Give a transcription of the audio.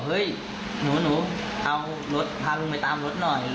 เฮ้ยหนูเอารถพาลุงไปตามรถหน่อย